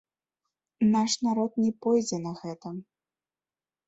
Наш народ не пойдзе на гэта.